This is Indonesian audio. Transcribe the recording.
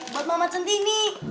buat mama centini